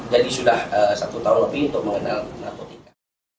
jadi sudah satu tahun lebih untuk mengenal narkotika